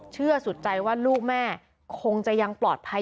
สุดใจว่าลูกแม่คงจะยังปลอดภัย